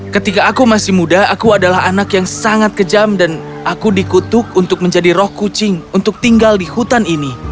ketika aku masih muda aku adalah anak yang sangat kejam dan aku dikutuk untuk menjadi roh kucing untuk tinggal di hutan ini